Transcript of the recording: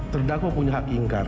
terdakwa punya hak ingkar